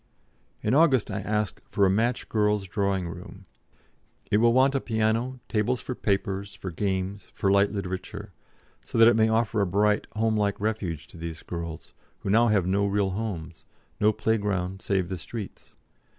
In August I asked for a "match girls' drawing room." "It will want a piano, tables for papers, for games, for light literature; so that it may offer a bright, homelike refuge to these girls, who now have no real homes, no playground save the streets.